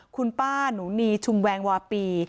คุณป้าหนูนีชุมแวงวาปี